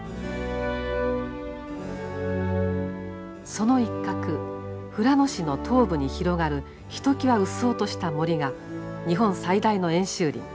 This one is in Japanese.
その一角富良野市の東部に広がるひときわうっそうとした森が日本最大の演習林